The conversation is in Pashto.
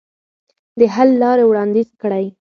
د حل لارې وړاندیز کړئ.